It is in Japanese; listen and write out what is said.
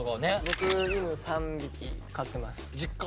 僕犬３匹飼ってます。実家？